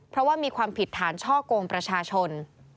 เพราะว่ามีความผิดฐานช่อกงประชาชน